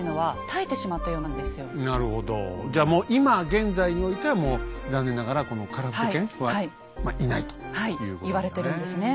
じゃあ今現在においてはもう残念ながらこのカラフト犬はいないということですね。